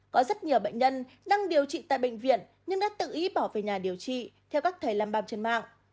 có rất nhiều bệnh nhân đang điều trị tại bệnh viện nhưng đã tự ý bỏ về nhà điều trị theo các thầy làm băng trên mạng